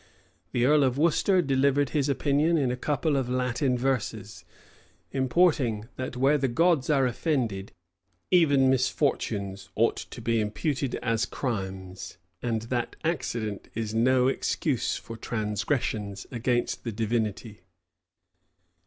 The earl of Worcester delivered his opinion in a couple of Latin verses; importing, that where the gods are offended, even, misfortunes ought to be imputed as crimes, and that accident is no excuse for transgressions against the Divinity.